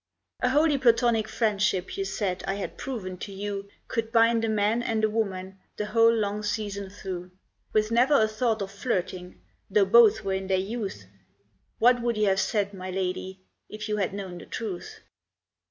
A wholly Platonic friendship You said I had proven to you Could bind a man and a woman The whole long season through, With never a thought of flirting, Though both were in their youth What would you have said, my lady, If you had known the truth!